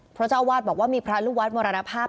เพราะเจ้าอาวาสบอกว่ามีพระลูกวัดมรณภาพ